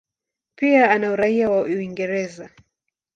Pia ana uraia wa Uingereza.